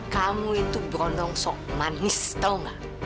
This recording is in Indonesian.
kamu itu berondong sok manis tahu nggak